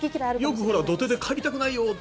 よく土手で帰りたくないよ！って